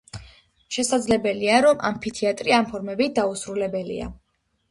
შესაძლებელია, რომ ამფითეატრი ამ ფორმებით დაუსრულებელია.